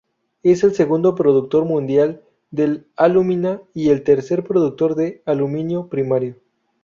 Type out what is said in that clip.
Es el segundo productor mundial de alúmina y el tercer productor de aluminio primario.